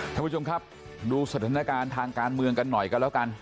ท่านผู้ชมครับดูสถานการณ์ทางการเมืองกันหน่อยกันแล้วกัน